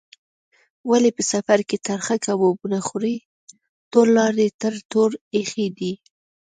ولې په سفر کې ترخه کبابونه خورې؟ ټوله لار دې ټر ټور ایښی دی.